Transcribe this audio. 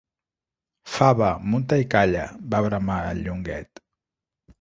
Fava, munta i calla! —va bramar el Llonguet.